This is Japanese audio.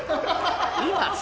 今さ。